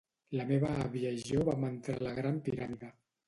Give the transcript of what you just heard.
La meva àvia i jo vam entrar a la Gran Piràmide.